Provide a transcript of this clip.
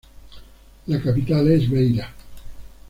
La capital es Beira.